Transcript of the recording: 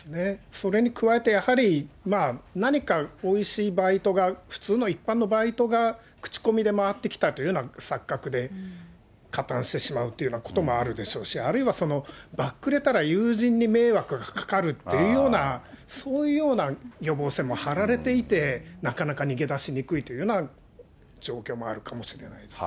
それに加えてやはり、何かおいしいバイトが、普通の一般のバイトが口コミで回ってきたというような錯覚で加担してしまうというようなこともあるでしょうし、あるいはそのバックレたら友人に迷惑がかかるっていうような、そういうような予防線も張られていて、なかなか逃げ出しにくいというような状況もあるかもしれないです